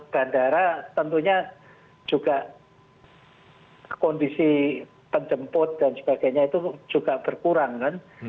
bandara tentunya juga kondisi penjemput dan sebagainya itu juga berkurang kan